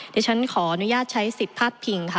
ดิฉันขออนุญาตใช้สิทธิ์ภาษาปิงค่ะ